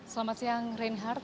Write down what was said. selamat siang reinhard